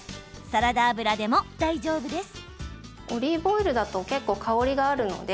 サラダ油でも大丈夫です。